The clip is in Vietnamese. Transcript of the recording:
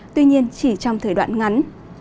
tuy nhiên chỉ trong thời đoạn ngắn